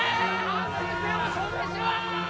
安全性を証明しろ！